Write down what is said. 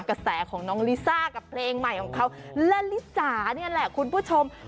กระแสของน้องลิซ่ากับเพลงใหม่ของเขาและลิจ๋านี่แหละคุณผู้ชม